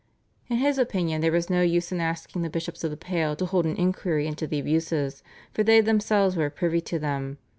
In his opinion there was no use in asking the bishops of the Pale to hold an inquiry into the abuses, for they themselves were privy to them.